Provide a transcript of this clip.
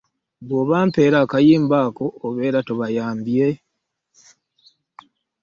Bw'obampeera akayimba ako obeera tobayambye?